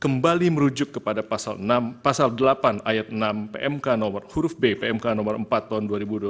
kembali merujuk kepada pasal delapan ayat enam pmk nomor huruf b pmk nomor empat tahun dua ribu dua puluh